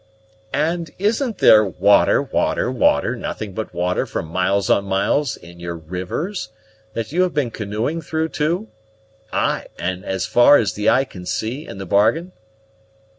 "And isn't there water water water nothing but water for miles on miles in your rivers, that you have been canoeing through, too? Ay, and 'as far as the eye can see,' in the bargain?"